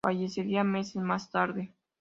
Fallecería meses más tarde.